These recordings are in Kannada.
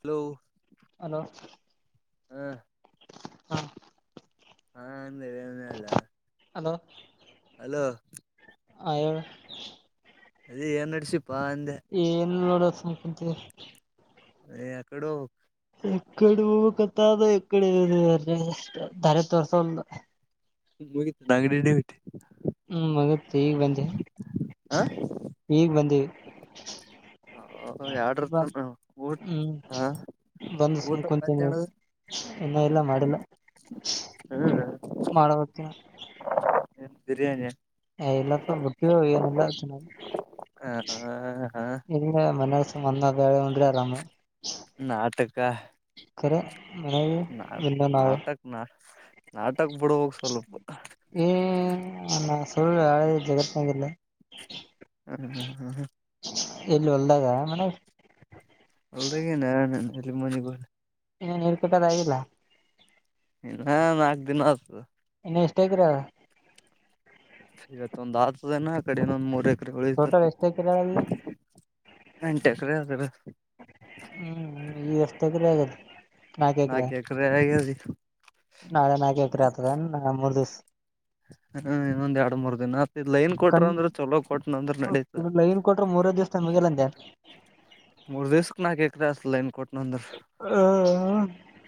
ಹಲೋ ಹಲೋ ಹ. ಹಾ ಹಾ ಅಂದ ಏನಿಲ್ಲಾ ಹಲೋ ಆ ಹೇಳ ಅದ ಏನ್ ನಡಸಿ ಏನ್ ನೋಡದ್ ಸುಮ್ ಕುಂತಿನಿ ಯ ಕೊಡೊ ಎಕ್ಕಡೆ ಹ ಕತ ಅದ ಎಡೆ ದಾರಿ ತೋರ್ಸಲ್ಡ ಹ್ಮ ಹೋಗಿತ್ [unintelligible] ಹ್ಮ್ ಮಗತ್ ಈಗ ಬಂದೆ. ಹ ಈಗ್ ಬಂದೀವಿ. ಎರಡರ [inaudible] ಬಾ ತನ ಊಟ ಹ್ಮ್ ಬಂದು ಊಟ ಸುಮ್ ಕುಂತನೆ ಮತ್ತೇನದು ಇನ್ನೂ ಇಲ್ಲ ಮಾಡಿಲ್ಲ ಮಾಡುವತ್ತಿನಿ. ಏನ್ ಬಿರಿಯಾನಿ. ಹೇ ಇಲ್ಲಪ್ಪ ಗೊತ್ತಿರೋರು ಏನಿಲ್ಲ ಹ ಹ [unintelligible] ಹಿಂದೆ ಮನೆ [unintelligible] ಅನ್ನ ಬೆೇಳೆ ಉಂಡ್ರೆ ಆರಾಮು. ನಾಟಕ ಕರೆ ಹೇ ಹೆಂಗೆ ನಾವು ನಾಟ್ ಹ್ಮ ನಾಮಸ್ ಫುಲ್ ಆಳೆ ಜಗತ್ನಂಗಿಲ್ಲ. ಹ್ಮ್ ಹ್ಮ್ ಎಲ್ಲಿ ಹೊಲ್ದಾಗ ಮನಾಗ್ ಹೊಲದಾಗೆ ನಾನು ನೀನು. ಅರ್ಲಿ ಮಾರ್ನಿಂಗ್ ಹೋಗೋನ ಇನ್ ನೀರು ಕಟ್ಟದಾಗಿಲ್ಲ. ಇನ್ನ ನಾಲ್ಕು ದಿನ ಆತು. ಇನ್ನ ಎಷ್ಟ ಎಕ್ಕರೆ ಅದ. ಇವತ್ ಒಂದ್ ಆತದನ ಆ ಕಡಿನ್ನೊಂದ್ ಮೂರೆ. ಟೋಟಲ್ ಎಷ್ಟ ಎಕರೆ ಅಲ್ಲಿ [unintelligible] ಎಂಟ ಎಕ್ಕರೆ ಅದ್ [unintelligible] ಹ್ಮ್ ಎಸ್ಟ್ ಎಕ್ರೆ. ನಾಕೇಕ್ರೆ ಆಗೇದೀ [inaudible] ನಾಳೆ ನಾಕ ಎಕ್ರೆ ಆಗ್ತದ ಮೂರ್ ದಿವ್ಸ್. ಹ್ಮ ಇನ್ನೊಂದ್ ಎರಡು ಮೂರ್ ದಿನ ಆತ್ ಇದ್ ಲೈನ್ ಕಣ್ ಕೊಟ್ರ ಅಂದ್ರೆ ಚಲೋ ಕೊಟನ ಅಂದ್ರೆ ನಡೀತ. ಲೈನ್ ಕೊಟ್ರ ಮೂರ ದಿವ್ಸ ಮುಗಿಯಲಂದೆ ಮೂರ್ ದಿವ್ಸ್ ನಾಕೆಕ್ರೆ ಅಸ್ಲು ಏನ್ ಕೊಟ್ರು. [unintelligible]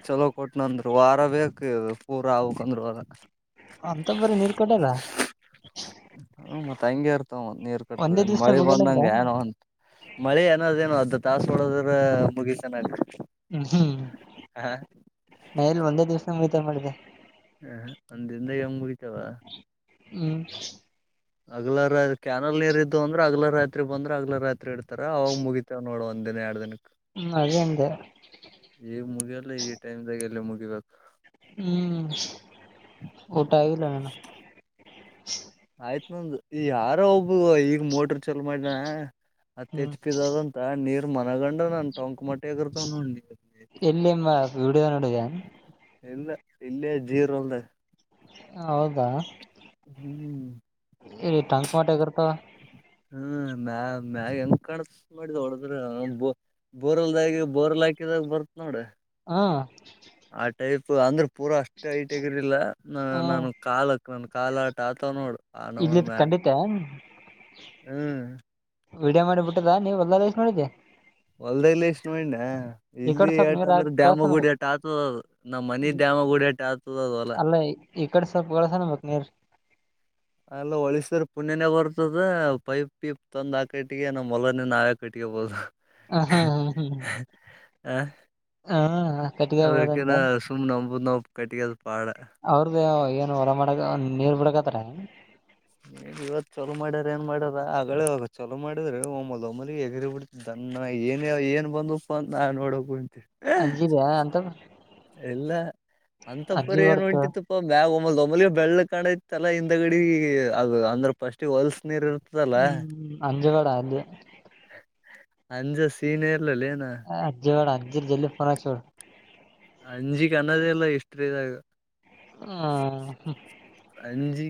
ಚಲೋ ಕೊಟ್ ನಂದು ವಾರ ಬೇಕು ಪೂರಾ ಆಗ್ಬೇಕಂದ್ರೆ ವಾರ. ಅಂತ ಬರಿ ನೀರ್ [unintelligible] ತಂಗೆರ್ ನೀರ್ ಕಟ್ಟದ ಒಂದೇ ನ್ ದಿವ್ಸ ಮಳಿ ಮುಗಿಯಲಂದ ಬಂದಂಗ ಏನೋ ಅಂತ ಮಳಿ ಏನದೇನು ಅ ತಾಸ ಹೊಡೋದ್ರ ಮುಗಿಸತನ್ ಹ್ಮ್ ಹ್ಮ್ ನ ಎಲ್ಲಿ ಒಂದೇ ದಿವಸ ಸಂಗಿತ ಮಾಡಿದೆ ಹ ಅಂದಿಂದ ಹೆಂಗ ಯವಾ ಹ್ಮ್ ಅಗ್ಲ ರ ಕ್ಯಾನಲ್ ನೀರ್ ಇದ್ದು ಅಂದ್ರ ಅಗ್ಲ ರಾತ್ರಿ ಬಂದ್ರೆ ಅಗ್ಲ ರಾತ್ರಿ ಇಡ್ತ ತರ ಅವಾಗ್ ಮುಗಿತವ ನೋಡವ. ಒಂದ್ ದಿನಾ ಯಾಡ್ ದಿನ ಹ್ಮ್ ಅದೇ ಅಂದೆ ಈ ಮುಗೆಲ್ಲಾ ಈ ಟೈಮದಾಗಲ್ಲ ಮುಗ ಇವ ಹ್ಮ್ ಊಟಾ ಆಗಿಲ್ಲೆನ್. [inaudible] ಆಯ್ತ್ ನಂದ ಈ ಯಾರೋ ಈಗ ಮೋಟರ್ ಚಲು ಮಾಡಿನ ಅತ್ ಹ್ಮ್ ಹೆಚ್ಪಿದದಂತ ನೀರ್ ಮನಗಂಡ ನನ್ ಟಂಕ್ ಮಟ್ಟ ಎಲ್ಲಿಮ್ಮ ವಿಡಿಯೋ ನೋಡಿದಾ. ಇಲ್ಲಾ ಇಲ್ಲೆ ಜೀರ್ ಒಂದ್ ಹೌದಾ ಹ್ಮ್ ಇರು ಟಂಕ ಟಗರ ತಾ ಹ್ಮ ಮ್ಯ ಮ್ಯಾಗ ಹೆಂಗ ಕಾಣಸ ಮಾಡಿದ ಹೊಡದ್ರ ಬೋ ಬೋರ್ಲ್ದಾಗಿ ಬೋರ್ಲ್ ಹಾಕಿದಾಗ ಬರ್ ನೋಡ ಹ್ಮ್ ಆತ್ ಹೇಗಿತ್ತು ಆಂಧ್ರ ಪೂರಾ ಅಷ್ಟೇ ಐಟ್ ಆಗಿರಲಿಲ್ಲ ನ ಹ್ಮ್ ನಾನು ಕಾಲಕ ನಂದ ಕಾಲಾಟ ಆತ ನೋಡು ಆ ಇಲ್ಲಿ ನಮನ್ ಮ್ಯಾಗ ಖಂಡಿತ ಹ್ಮ್ ವಿಡಿಯೋ ಮಾಡಿ ಬಿಟ್ಟದ ನೀವ ಎಲ್ಲ ಲೈಕ್ ಮಡಿದ್ದಿ. ಒಲ್ಲೆ ಲಿಸ್ಟಮೆನ್. ಇಲ್ಲಿ ಕಡೆ ಸ್ವಲ್ಪ ಏಟ್ ನೀರ್ ಹಾಕ್ ಅಂದ್ರೆ ಡ್ಯಾಮ ಗುಡಿ ಕಳ್ಸನ್ಬೇಕ ಆಟ್ ಆತದದು ನಮ್ಮ್ ಮನಿ ಡ್ಯಾಮ ಗುಡಿ ಆಟ್ಟ್ ಆತದವಲ್ಲ. ಅಲ್ಲ ಈ ಕಡೆ ಸ್ವಲ್ಪ ಕಳ್ಸನ್ಬೇಕ ನೀರ್ ಅಲ್ಲ ಹೊಳಿಸ್ರ ಪುಣ್ಯನ ಬರ್ತದ ಪೈಪ್ ಪಿಪ್ ತಂದ್ ಆಕಿಟ್ಟಿಗೆ ನಮ್ಮ್ ಹೊಲನು ನಾವೇ ಕಟ್ಟ್ಗಬೊದು. ಹ ಹಾ ಹ್ಮ್ ಹ ಹ್ಮ್ ಹ ಕಟ್ಟಿಗೆಬೋದಂತ ಅದ್ರಕ್ಕೆನ ಸುಮ್ ನಂಬುದ್ನಾವು. ಕಟ್ಟಿಗೆ ಅವ್ರದು ಏನು ಹೊರ ಮಾಡದು ಅವ್ನ್ ನೀರ್ ಬಿಡಕಾತ್ತರ. ನೀ ಇವತ್ ಚಲೋ ಮಾಡ್ಯಾರ ಏನ್ ಮಾಡ್ಯಾರ ಆಗಳೇ ಈಗ ಚಲೋ ಮಾಡಿದ್ರೆ ಒಮ್ಮ ಒಮ್ಮಲಿಗೆ ಎಗ್ರ್ ಬಿಡ್ತಿದ್ದ ದನ್ನ ಏನ ಏನ್ ಬಂದಪ್ಪ ಅಂತ ನಾ ನೋಡಕೋಯ್ ಅಂಜಿದ್ಯಾ ಅಂತ ಇಲ್ಲ. ಅಂತಪ್ಪರ ಅಜ್ಜಿ ಏನು ಹೊಡ್ತ ಹೊಂಟಿತ್ತಪ್ಪ ಬ್ಯಾಗೊ [unintelligible] ಬೆಳ್ಳಗ್ ಕಾಣೈತಲ್ಲ ಹಿಂದಗಡಿ ಅದು ಅಂದ್ರ ಫಸ್ಟೆ ಹೊಲ್ಸ್ ನೀರು. ಹ್ಮ್ ಅಂ ಜಗಡ ಅಲ್ಲಿ ಅಂಜು ಸೀನಿಯರ್ ಆ ಅಜ್ಜೊಡ ಜಿಲ್ ಜಿಲ್ಲು [unintelligible] ಅಂಜಿಕನ್ನದ ಇಲ್ಲ ಎಷ್ಟ್ರಿದಾಗ. ಹಾ ಹ್ಮ.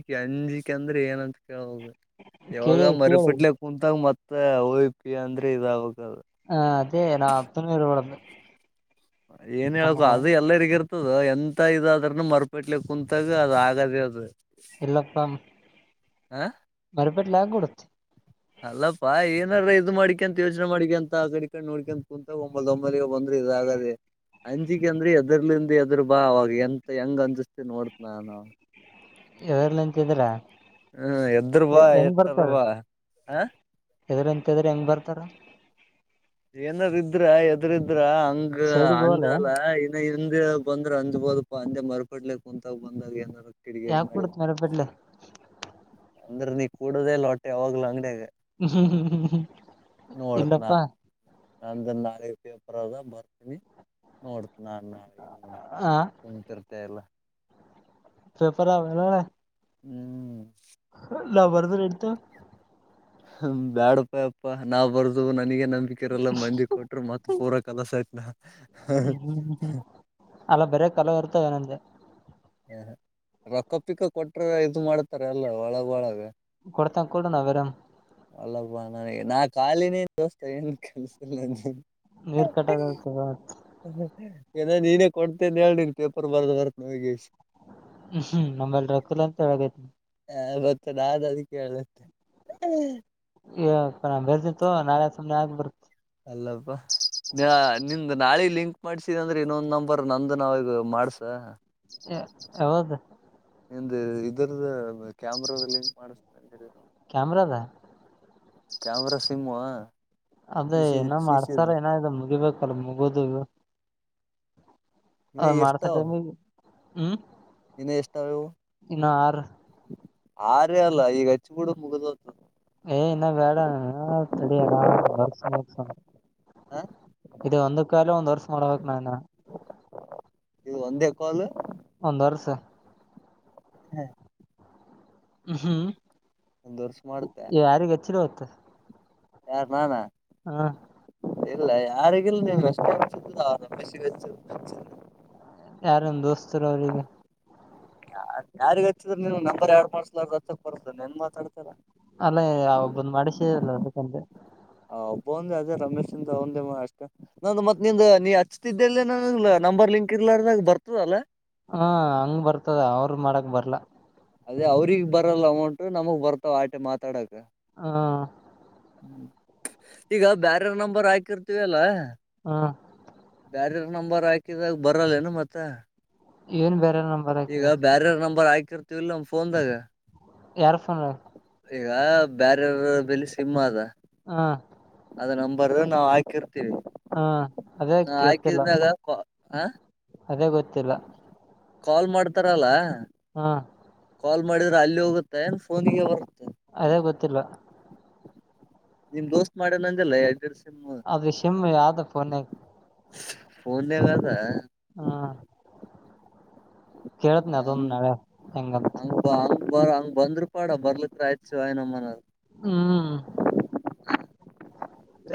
ಈ ಅಂಜಿಕ ಅಂದ್ರೆ ಏನಂತ್ ಕೇಳದದೆ ಯಾವಾಗ ಕೇಳಿ ಕೇಳಿ ಮರಿಪಿಟ್ಲೆ ಕುಂತಂಗ್ ಮತ್ತ್ ತ್ತ ಓಯುಪಿ ಅಂದ್ರೆ ಇದಾಗ ಹ ಅದೇ ನಾ ಹತ್ತನೇ ರೋಡಂದ. ಏನೇ ಹೇಳ್ಕು ಅದು ಎಲ್ಲರಿಗಿರ್ ತ್ತದೊ ಎಂತ ಇದಾದ್ರುನೂ ಮರುಪಿಟ್ಲಿ ಕುಂತಾಗ ಅದಾಗದೇ ಅದು. ಇಲ್ಲಪ್ಪ ಹ ಬರ್ ಬಟ್ಲಾಗುಡುತ್ ಅಲ್ಲಪ್ಪಾ ಏನಾರ ಇದ್ ಮಾಡಿಕಂತ ಯೋಚನೆ ಮಾಡಿಕಂತ ಆ ಕಡೆ ಕಡೆ ನೋಡ್ಕಂತ ಕುಂತ ಒಂಬಲ್ ಒಂಬಲ್ಲಿಗ ಬಂದ್ರ ಇದಾಗದೆ ಅಂಜಿಕ ಅಂದ್ರಿ ಎದರ್ಲಿಂದ ಎದ್ರ ಬಾ ಅವಾಗ ಎಂತ ಹೆಂಗ್ ಅನ್ಜಿಸತಿ ನೋಡತ ನಾನು. [unintelligible] ಹ್ಮ್ ಎದ್ರು ಬಾ ಎಟ್ಟಾರ ಬಾ. ಹಾ ಎದರಂತರ ಹೆಂಗ ಬರ್ತಾರ? ಏನರ ಇದ್ರ ಎದ್ರಿದ. ಇದ್ರ ಹಂಗ ಸೈಡಿಗೆ ಹೋಗಲ್ಲ ಅಂಜಾಲ ಇನ್ನ ಇ ಹಂದೆ ಹೇಳ ಬಂದ್ರ ಅಜ್ಬೋದಪ್ಪಾ ಅಂದೆ ಮರುಪಡ್ಲಿ ಕುಂತಾಗ ಬಂದಾಗ ಏನರ. ಯಾವ ಕೂಡತ ಮರಬಟ್ಲೆ. ಅಂದ್ರೆ ನೀ ಕೂಡದೇಲ್ಲೋ ಹೊಟ್ಟೆ ಯಾವಾಗ್ಲ ಅಂಗಡ್ಯಾಗ. ಅಹ್ ಹ್ಮ್ ಹ್ಮ್ ಹ್ಮ. ನೋಡಪ್ಲಾ. ಅಂದ್ರ ನಾಳೆ ಪೇಪರ್ ಅದ ಬರ್ತೀನಿ ನೋಡ್. ನಾನ್ನಾ ನಾವೇನ ಮಾಡೋನ ಆ ಕುಂನ್ತಿರ್. ತ್ತೇ ಎಲ್ಲಾ. ಫೇಫರಾ ಇಲ್ಲ್ ನೋಡ. ಹ್ಮ್. ಲ್ಲಾ ಬರ್ದು ರೇಡ್ತು. ಹಮ್ ಬ್ಯಾಡಯಪ್ಪಾ ಯಪ್ಪಾ ನಾವ್ ಬರ್ದು ನನಗೇನ. ನಂಬಿಕೆ ಇರಲ್ಲ ಮಂದಿ ಕೊಟರು ಮತ್ ಫೂರ ಕೆಲಸ ಐತ್ಬ್ಯಾ ಹ ಅಹ್ ಹ್ಮ್ ಹ್ಮ್ ಹ್ಮ್ ಹ್ಮ್ ಹ್ಹ್. ಅಲ್ಲ ಬರೇ ಕಲ್ಲು ಇರ್ತವ ಏನೆಂದ್ಯಾ. ಯಹ ರೊಕ್ಕ ಪಿಕ್ಕ ಕೊಟ್ರ ಇದು ಮಾಡ್ತಾರಾ ಎಲ್ಲ ಒಳಗ ಒಳಗ. ಕೊಡ್ತಂಗ ಕೊಡು ನಾವ್ ಬೇರೆ ಅಲ್ಲಪ್ಪಾ ನನಗೆ ನಾ ಖಾಲಿನೇ. ದೋಸ್ತ ಏನ್ ಕೆಲ್ಸ ಇಲ್ಲ ನೀನ್. ನೀರ್ ಕಟ್ಟಾದನಿ ಅಥವಾ. ಏನೇ ನೀನೆ ಕೊಡ್ತೇನ್ ಹೇಳ ನೀನ್ ಪೇಪರ್ ಬರ್ದು ಬರ್ದು ಒಗೆಸ್ಸಿ. ಅಹ್ ಹ್ಮ್ ನಮ್ಮೆಲ್ ರಕುಲ್ ಅಂತ ತೇಳಗೈತಿ. ಎ ಮತ್ತ ನಾ ಅದಿ ಕೇಳುತ್ತೆ ಎಹ್ಯೇ. ಯ ಪ್ಪಾ ನಾ ಬೆರ್ದಿಂನತ್ತೊ ನಾಳೆ ಸುಮ್ನೆ ಆಗ್ ಬರ್ತ. ಅಲ್ಲಪ್ಪ ನಿಂದು ನಾಳೆ ಲಿಂಕ್ ಮಾಡ್ಸಿದ ಅಂದ್ರೆ ಇನ್ನೊಂದ್ ನಂಬರ್ ನಂದು ನಾವೀಗ ಮಾಡ್ಸ. ಯಾವ್ದ ಇಂದೆ ಇದರದ ಬ ಕ್ಯಾಮ್ರೊ ದಲ್ಲಿ ಲಿಂಕ್ ಮಾಡಿಸ್ತೆ ಅಂದಿರೇನೊ. ಕ್ಯಾಮ್ರಾದಾ. ಕ್ಯಾಮ್ರಾ ಸಿಮ್ಟ. ಅದೇ ಏನೋ ಮಾಡ್ಸ್ಯಾರಾ ಏನ ಇದು ಮುಗಿಬೇಕು. ಕಲ್ ಮುಗೋದು. ಅ ಮಾಡ್ಸಾ ಟೈಮಿಗಿ. ಅಮ್. ಇನ್ನೂ ಎಸ್ತ ಅವೆವು. ಆರ್ಯಾ ಅಲ್ಲಾ ಈಗ ಹಚ್ಚುಬುಡು ಮುಗುದ ಹೊತ. ಏ ಇನ್ನ ಬೇಡ ತಡಿ ಆರಾಮ್ ಒಂದ್ ವರ್ಷ ಮುಗ್ಸೋಣ ಹ ಇದು ಒಂದು ಕಾಲ ಒಂದ್ ವರ್ಷ ಮಾಡ್ಬೇಕ್ ನಾನ ಇವು ಒಂದೇ ಕ್ವಾಲ. ಒಂದ ವರಸ. ಹೇ ಹ್ಮ್ ಹ್ಮ್ ಒಂದ್ ವರ್ಷ ಯಾರಿಗೆ ಹೆಚ್ಚಿವತ್ತ ಯಾರ ನಾನಾ. ಆ ಇಲ್ಲ ಯಾರಿಗಿಲ್ಲ ನೀನ್ ಅಷ್ಟ [unintelligible] ಯಾರನ್ ದೋಸ್ತರು ಅವ್ರಿಗಾ. ಯಾ ಯಾರಿಗ ಹಚ್ಚಿದ್ರ ನೀನ್ ನಂಬರ್ ಯರಡ್ ಮಾಡಸ್ಲ ಗೊತ್ತಕ್ ಬರ್ದು ನನ್ ಮಾತಾಡ್ತಲ್ಲ ಅಲ್ಲೇ ಒಬ್ಬಂದು ಮಾಡಿಸಿಲ್ಲ ಅದಕ್ಕಂತೆ ಆ ಒಬ್ಬ ಒಂದ ಅದೇ ರಮೇಶ್ ಅಂದ ಒಂದೇ ಅಷ್ಟೇ ನಂದು ಮತ್ ನಿಂದ ನೀ ಹಚ್ತಿದ್ದಲ್ಲ ನ ನಂಬರ್ ಲಿಂಕ್ ಇರ್ಲಾರದಾಗ ಬರ್ತದಲ್ಲಾ. ಹಾ ಹಂಗ ಬರ್ತದ ಅವ್ರ ಮಾಡಕ್ ಬರ್ಲಾ. ಅದೇ ಅವ್ರಿಗೆ ಬರಲ್ಲಾ ಅಮೌಂಟ್ ನಮಗ್ ಬರ್ತಾವ ಆಟೆ ಮಾತಾಡಕ್. ಆ ಈಗ ಬ್ಯಾರರ್ ನಂಬರ್ ಹಾಕಿರ್ತೀವ ಅಲ್ಲ. ಆ ಬ್ಯಾರರ್ ನಂಬರ್ ಹಾಕಿದಾಗ ಬರಲ್ಲೇನು ಮತ್ತ ಏನ್ ಬೇರೆ ನಂಬರ್ ಆಕ್ದರಿ ಕೀರ್ತಿವ್ ಅಲ್ಲಾ ನಮ್ ಫೋನದಾಗ. ಯಾರ ಫೋನ್ ಈಗ ಬ್ಯಾರವ್ರ ಬೆಲಿ ಸಿಮ್ ಅದ. ಆ ಬರ್ರ ನಾವ ಆಕಿರ. ಹಾ ಅದೇ ಗೇತ್ತಿಲ್ಲಾ. ಹಾಕಿದ್ಮ್ಯಾಗ ಆ. ಅದೇ ಗೊತ್ತಿಲ್ಲಾ ಕಾಲ್ ಮಾಡ್ತಾರಲ್ಲಾ. ಹಾ ಕಾಲ್ ಮಾಡಿದ್ರೆ ಅಲ್ಲಿ ಹೋಗುತ್ತೆನ್ ಫೋನ್ ನಿಗೆ ಬರುತ್ತೆ. ಅದೇ ಗೊತ್ತಿಲ್ಲಾ. ನಿಮ್ ದೋಸ್ತ್ ಮಾಡಾನ್ ಅಂದಿಲ್ಲಾ [unintelligible] ಅದ ಸಿಮ್ ಯಾದ ಫೋನ್ ನಾಗ್. ಫೋನ್ ನ್ಯಾಗ್ ಅದ. ಹಾ ಕೇಳತ್ನ ಅದೊಂದು ನಾಳೆ ಹೆಂಗಂತ ಬರ ಹಂಗ ಬಂದ್ರು ಪಾಡ ಬರ್ಲಕ್ಕ ಆಯ್ತ್ ಶಿವಾಯನಮ ಅನ್ನೋದ. ಹ್ಮ್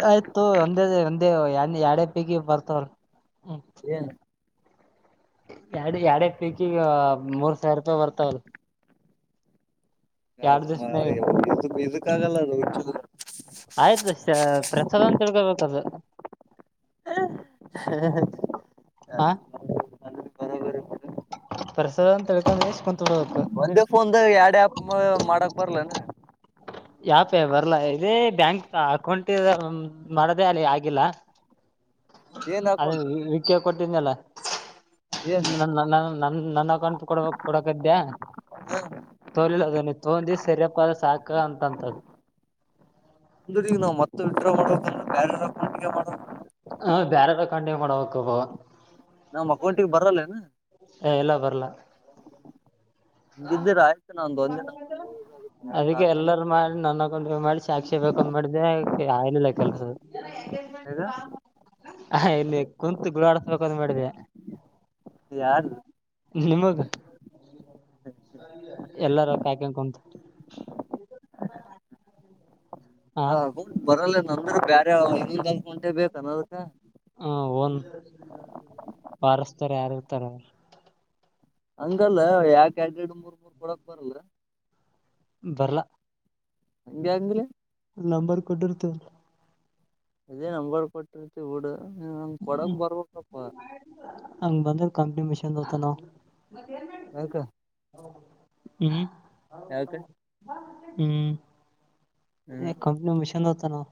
ಆಯ್ತ ತುಗೊ ಒಂದೇ ಒಂದೇ ಎಡ ಪೀಗಿ ಬರ್ತವಲ್ಲ. ಏನ್ ಹ್ಮ ಯಾಡು ಎರಡೆ ಪೀಚಿಂಗ್ ಮೂರ್ ಸಾವಿರ ರೂಪಾಯಿ ಬರ್ತ ತ್ತಲ್ ದಿವ್ಸನಾಗ [unintelligible] ಕ್ಕಾಗಲ್ಲ ಅದು ಹುಚ್ಚುದು. ಆಯ್ತಿರಿ ಸ ಪ್ರಸಾದ ಅಂತ ತಿಳ್ಕೊಬೇಕದು ಹ. [unintelligible] ಪರ್ಸದ ಅಂತಿಳ್ಕಂದೇ ಒಂದೇ ಫೋನ್ದು ಎರಡ್ಯಾಪ್. ಮ ಮಾಡಕ್ಬರಲೆನು? ಯಾಪೆ ಬರ್ಲಾ ಇದೇ ಬ್ಯಾಂಕ್ ಅಕೌಂಟಿರದ ಮಾಡದೇ ಅಲ್ಲಿ ಆಗಿಲ್ಲ. ಏನ್ ಅದ ಅಕೌಂಟ್ [unintelligible] ಕೊಟ್ಟಿದ್ನಲ್ಲ. ಏನ್ ನ ನ ನನ್ ನನ್ನ ನನ್ ಅಕೌಂಟ್ ಕೊಡಬೇಕ್ ಕೊಡಕಾದ್ಯಾ ತೋಲಿಲ್ಲ ಅದ ನೀ ತೊಂದಿ ಸರಿಯಪ್ಪ ಅದ ಸಾಕ ಅಂತಂತದು. ಅಂದ್ರ ಈಗ ನಾವ್ ಮತ್ತೆ [unintelligible] ಹ ಬ್ಯಾರದ ಖಂಡೀ ಮಾಡಬೇಕವ. ನಮ್ ಅಕೌಂಟಿಗೆ ಬರಲ್ಲೆನ. ಏ ಇಲ್ಲ ಬರ್ಲ್ಲ ನಂಬರ್ ಯೂಸ್ ಆಗುತ್ತೆ ಮತ್ತ ಅದಕ್ಕೆ ಎಲ್ಲಾರು ಮಾಡಿ ನನ್ನ [unintelligible] ಸಾಕ್ಷಿ ಬೇಕಂದ್ ಮಾಡ್ದ ಆಲಿಲ್ಲ ಕೆಲ್ಸ ಆಗ ಇಲ್ಲಿ ಕುಂತು ಗುಳಾಡ್ಸ್ಬೇಕಂತ ಮಾಡಿದೆ ಯಾರ್ದು ನಿಮಗ. ಎಲ್ಲಾರ ಕಾಯ್ಕೊಂಡು ಕುಂತು ಹ [unintelligible] ಬರಲ್ಲೆನು. ಅಂದ್ರ ಬ್ಯಾರೆ [unintelligible] ಹ ಓನ್ ಬಾರಸ್ತಾರೆ ಯಾರ ತರ ಹಂಗಲ್ಲ ಯಾಕೆಡೆರ್ಡು ಮೂರ್ಮೂರ್ ಕೊಡಕ್ ಬರಲ್ಲ. ಬರ್ಲ. ಹಂಗೆ ಅಂದ್ಲೆ. ನಂಬರ್ ಕೊಟ್ಟಿರ್ತ ಅದೇ ನಂಬರ್ ಕೊಟ್ಟಿರ್ತಿ ಬುಡು. ಹ್ಮ್ ಹಂಗ ಬಂದ್ರ ಕಂಪ್ನಿ ಮಿಷನ್ದದ. ಹಲೋ ಎದ್ಕ? ಅಹ್ಮ್. ಆವ್ ಕುಟಮ್ಮಾ ಬಾ. ಹ್ಮ್. ಎ ಹ್ಮ್ ಕಂಪ್ನಿ ಮಿಶನ್ ಹೊದತ್ತನೊ.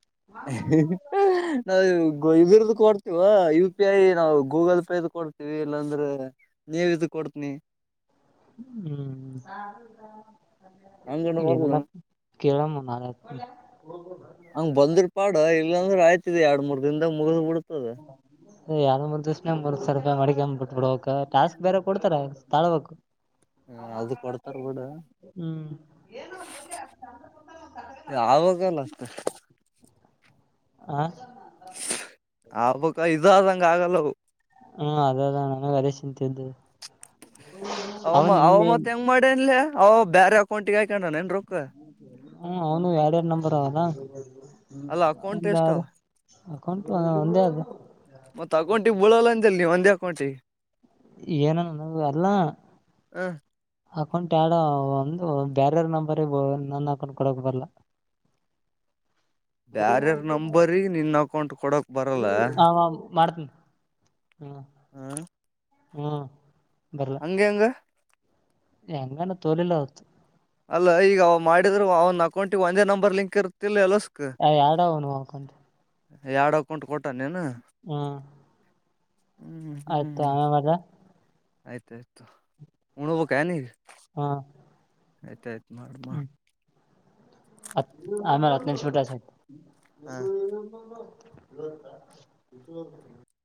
[unintelligible] ನಾವ ಇಗ ಗೊ ಇದರ್ದ ಕೊಡ್ತೀವೊ ಯು ಪಿ ಐ ನಾವು ಗೂಗಲ್ ಪೇದ ಕೊಡ್ತಿವಿ ಇಲ್ಲಾಂದ್ರ ನೀವ ಇದ ಕೊಡ್ತೀನಿ. ಹ್ಮ್. ಹಂಗನ ಎನ ಬರ್ಲ ಅನ್ನದಪು ಕೇಳಮ್ಮ ನಾರಾಯದ್ಕು ಕೊಡ್ಲ್ಯಾ ಹೋಗಬಹುದಾ. ಇಲ್ಲಂದ್ರ ಆಯ್ತ ಇದೆ ಎರಡ ಮೂರ್ ದಿನದಾಗ ಮುಗಿದ ಬಿಡ್ತು. [unintelligible] ಎ ಯಾರ ಮೂರ್ ದಿವ್ಸನ್ಯಾಗ ಮೂರ್ ಸಾವಿರ ರೂಪಾಯ ಮಾಡಿಕೊಂಡ ಬಿಟ್ಬಡಬೇಕಕ್ ಟಾಸ್ಕ್ ಬ್ಯಾರೆ ಕೊಡ್ತಾರಾ ತಾಳ್ಬೇಕು. ಹ ಅದು ಕೊಡ್ತಾರ ಬಿಡ ಹ್ಮ್ ಯಾವಗಲ್ಲ ಅಷ್ಟ. ಆ. ಆಗಬಕ್ಕಾ ಇದು ಆದಂಗ. ಹಂಗ ಆಗಲ್ಲ ಅವು. ಹ್ಮ ಅದದ ಅಣಾ ಸ್ವದೇಶಿನ ಥಿಂದು. ಅವ ಮಾ ಅವ ಮತ್ ಹೆಂಗ್ ಮಾಡೇನ್ಲೇ. ಅವು ಬ್ಯಾರೆ ಅಕೌಂಟಿಗೆ ಹಾಕ್ಕ್ಯಾಣ್ಣ ಎನ್ ರೊಕ್ಕ. ಹ್ಮ್ ಅವನು ಎಡ ಎಡ್ ನಂಬರ್ ಅದಾ. ಅಲ್ಲಾ ಅಕೌಂಟ್ ಎಷ್ಟೊ. ಅಕೌಂಟ್ ಒ ಒಂದೇ ಅದೇ. ಮತ್ತ ಅಕೌಂಟಿಗ ಬಿಳಲ್ಲ ಅಂದೇಲ್ಲ ನೀವ ಅನ್. ದೇ ಅಕೌಂಟಿ. ಏನನ ನಗೊದೊ ಅಲ್ಲಾ. ಹ ಅಕೌಂಟ್ ಆ್ಯಡೊ ಒಂದು ಬ್ಯಾರೆ ಅವ್ರ ನಂಬರ್ರಿಗ ಬರೊನ ನನ್ನ ಅಕೌಂಟ್ ಕೊಡಾಕ್ ಬರಲ್ಲಾ. ಬ್ಯಾರೆ ಅವ್ರ ನಂಬರಿಗ್ ನಿನ್ ಅಕೌಂಟ್ ಕೊಡಕ್ ಬರಲ್ಲ ಆ ಮಾಡ್ತನಿ ಹ. ಹೂಉ. ಹಂಗ ಹೆಂಗ. ಆ್ಯ ಹಂಗನ್ ತೋಲಿಲ್ಲ ಅವತ್ತು. ಅಲ್ಲ ಈಗ ಅವ ಮಾಡಿದ್ರ ಅವನ ಅಕೌಂಟಿಗೆ ವೈನ್ಯರ ನಂಬರ್ ಲಿಂಕ್ ಇರುತಿಲ್ಲ ಎಲ್ಲೋಸ. ಅ್ಯ ಯಾಡ ಅವನು ಅಕೌಂಟ್. ಎರಡ್ ಅಕೌಂಟ್ ಕೊಟ್ಟ. ಟ ಏನೇನು. ಆಯ್ತ ತುಗೊ ಆಮೇಲ ಮಾಡ್ಲ. ಆಯ್ತ. ಆಯ್ತ್ ತ ತೂಗ ಉನ್ನ ತಾನೇ. ಹಾ. ಆಯ್ತ ಆಯ್ತ. ಮಾಡ್ ಮಾಡ್. ಹತ್ತ ಆಮೇಲೆ ಹತ್ತ ನಿಮಿಷ ಬಿಟ್ಟ ಹಸ್ತೇನಿ. ಹಾ [unintelligible] [unintelligible]